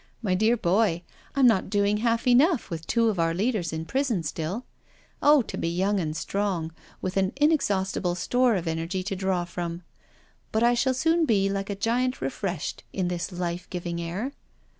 " My dear boy^ I'm not doing half enough with two of our leaders %^ AT THE WEEK'BNb COTTAGE 15I in prison stilK Oh to be young and strong, with an inexhaustible store of energy to draw from I But I shall soon be like a giant refreshed in this life giving air."